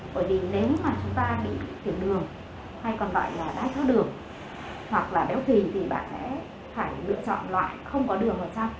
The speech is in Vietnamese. bởi vì nếu mà chúng ta bị kiểm đường hay còn gọi là đáy chất đường hoặc là béo thì thì bạn sẽ phải lựa chọn loại không có đường ở trong